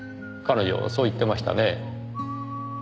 彼女そう言ってましたねぇ。